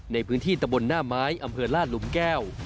ในพื้นที่ตะบนหน้าไม้อำเภอลาดหลุมแก้ว